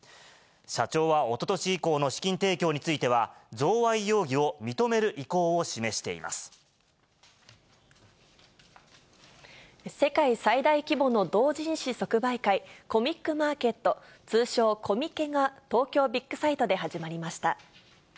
社長はおととし以降の資金提供については、贈賄容疑を認める意向世界最大規模の同人誌即売会、コミックマーケット、通称コミケが、東京ビッグサイトで始まりました。